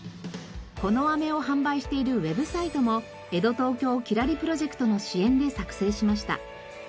この飴を販売しているウェブサイトも江戸東京きらりプロジェクトの支援で作成しました。